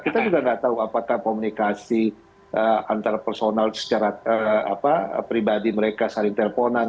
kita juga nggak tahu apakah komunikasi antar personal secara pribadi mereka saling teleponan